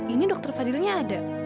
ini dokter fadilnya ada